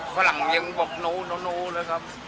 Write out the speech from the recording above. ฝรั่งยังบอกนู้นู้นู้เลยครับ